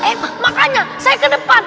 eh makanya saya ke depan